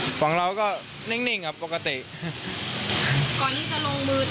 แล้วฝั่งเราอ่ะฝั่งเราก็นิ่งครับปกติก่อนที่จะลงมือทำอะไรเนี้ย